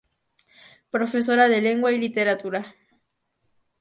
Profesora de Lengua y Literatura.